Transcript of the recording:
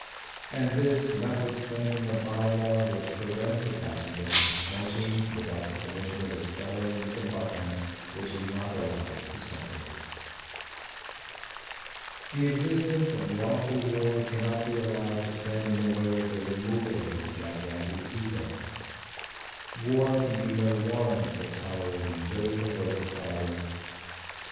And this, notwithstanding a bye law which prevents a passenger from smoking without the permission of his fellows in the compartment which is not allotted to smokers. The existence of the awful war cannot be allowed to stand in the way of the removal of this gigantic evil. War can be no warrant for tolerating dirt and overcrowding.